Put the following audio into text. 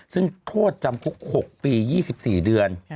ซึ่งโทษจำคุก๖ปี๒๔เดือน